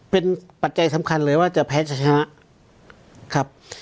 เป็นปัจจัยสำคัญเลยว่าจะแพ้จะชนะครับ